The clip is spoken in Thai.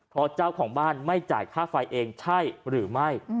เพราะเจ้าของบ้านไม่จ่ายค่าไฟเองใช่หรือไม่